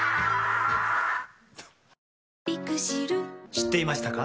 知っていましたか？